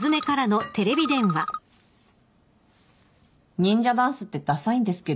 忍者ダンスってださいんですけど。